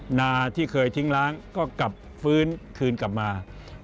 นาที่เคยทิ้งล้างก็กลับฟื้นคืนกลับมา